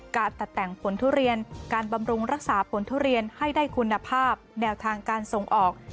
การตัดแต่งผลทุเรียนการบำรุงรักษาผลทุเรียนให้ได้คุณภาพแนวทางการส่งออก